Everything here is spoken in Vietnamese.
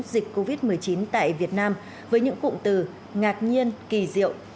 dịch covid một mươi chín tại việt nam với những cụm từ ngạc nhiên kỳ diệu